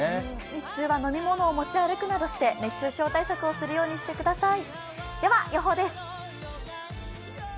日中は飲み物を持ち歩くなどして熱中症対策をするようにしてください。